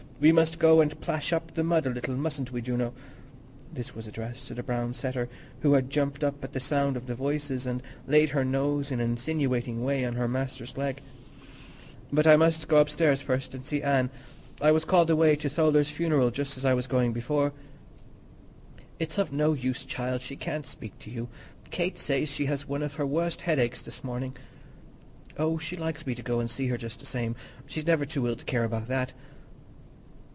We must go and plash up the mud a little, mus'n't we, Juno?" This was addressed to the brown setter, who had jumped up at the sound of the voices and laid her nose in an insinuating way on her master's leg. "But I must go upstairs first and see Anne. I was called away to Tholer's funeral just when I was going before." "It's of no use, child; she can't speak to you. Kate says she has one of her worst headaches this morning." "Oh, she likes me to go and see her just the same; she's never too ill to care about that."